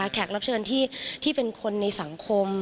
แขกรับเชิญที่เป็นคนในสังคม